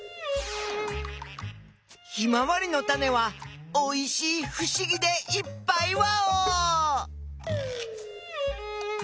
ヒマワリのタネはおいしいふしぎでいっぱいワオ！